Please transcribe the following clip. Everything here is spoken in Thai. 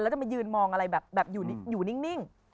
แล้วจะมายืนมองอะไรแบบอยู่นิ่ง